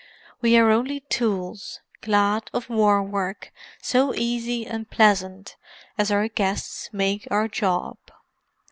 We are only tools, glad of war work so easy and pleasant as our guests make our job.